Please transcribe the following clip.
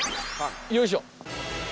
よいしょ。